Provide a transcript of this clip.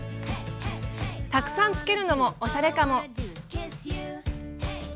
たくさんつけるのもおしゃれかも。